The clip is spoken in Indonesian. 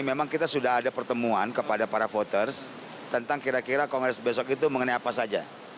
memang kita sudah ada pertemuan kepada para voters tentang kira kira kongres besok itu mengenai apa saja